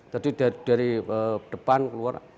jadi dari depan keluar